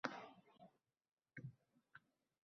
Ey dil